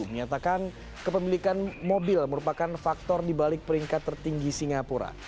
menyatakan kepemilikan mobil merupakan faktor dibalik peringkat tertinggi singapura